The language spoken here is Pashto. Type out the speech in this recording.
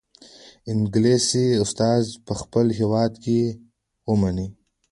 انګلیس استازی په خپل هیواد کې ومنئ.